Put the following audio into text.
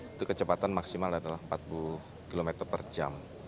itu kecepatan maksimal adalah empat puluh km per jam